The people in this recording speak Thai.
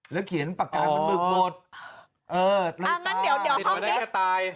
แล้วเขียนปากกาลขนมึกหมดเออรายการอ๋อติดไว้ได้จะตาย